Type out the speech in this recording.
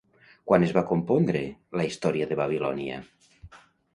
Quan es va compondre la Història de Babilònia?